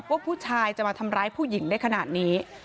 ว่าผู้ชายจะมาทำร้ายผู้หญิงได้ขนาดนี้